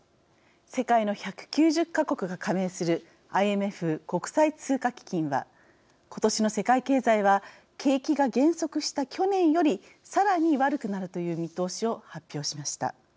世界の１９０か国が加盟するＩＭＦ＝国際通貨基金は今年の世界経済は景気が減速した去年よりさらに悪くなるという見通しを発表しました。